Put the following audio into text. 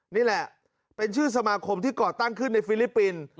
นี่แหละเป็นชื่อสมาคมที่ก่อตั้งขึ้นในฟิลิปปินส์